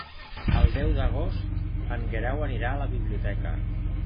El deu d'agost en Guerau anirà a la biblioteca.